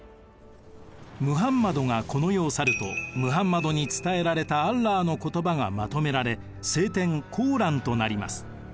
ムハンマドがこの世を去るとムハンマドに伝えられたアッラーの言葉がまとめられ聖典「コーラン」となります。